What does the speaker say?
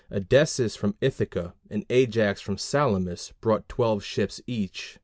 Odysseus from Ithaca, and Ajax from Salamis, brought 12 ships each.